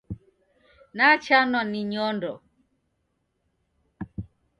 Nachanwa ni nyondo.